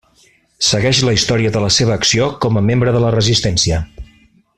Segueix la història de la seva acció com a membre de la resistència.